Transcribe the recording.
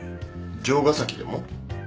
城ヶ崎でも？